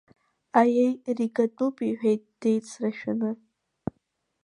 Аиеи, Ригатәуп, — иҳәеит деицрашәаны.